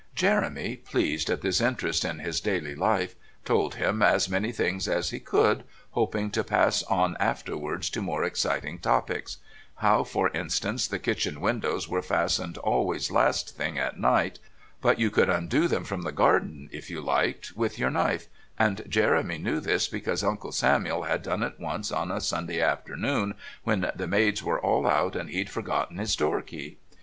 Jeremy, pleased at this interest in his daily life, told him as many things as he could, hoping to pass on afterwards to more exciting topics; how, for instance, the kitchen windows were fastened always last thing at night, but you could undo them from the garden if you liked with your knife, and Jeremy knew this because Uncle Samuel had done it once on a Sunday afternoon when the maids were all out and he'd forgotten his door key.